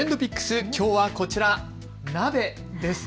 きょうはこちら、鍋です。